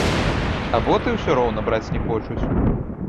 А боты ўсё роўна браць не хочуць.